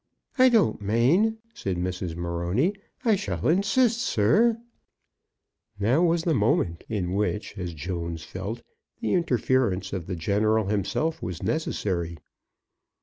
"I don't mane," said Mrs. Morony. "I shall insist, sir " Now was the moment in which, as Jones felt, the interference of the general himself was necessary.